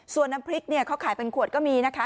ส่วนน้ำพริกเนี่ยเขาขายเป็นขวดก็มีนะคะ